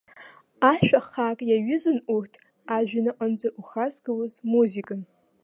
Ашәа хаак иаҩызан урҭ, ажәҩан аҟынӡа ухазгалоз музикан.